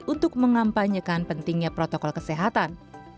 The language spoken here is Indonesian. untuk mengampanyekan pentingnya protokol kesehatan